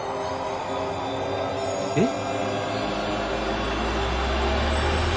えっ？